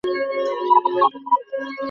সে তোমাকে ঘৃণা করে।